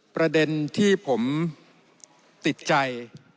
ประเด็นที่ผมติดใจ